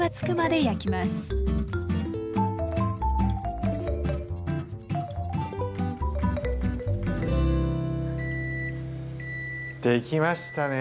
できましたね。